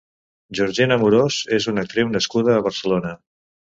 Georgina Amorós és una actriu nascuda a Barcelona.